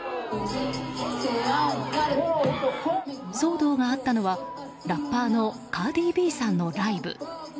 騒動があったのは、ラッパーのカーディ・Ｂさんのライブ。